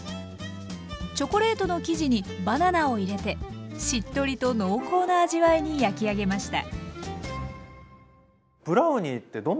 チョコレートの生地にバナナを入れてしっとりと濃厚な味わいに焼き上げました。